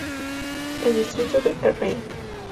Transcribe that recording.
El Distrito de R.l.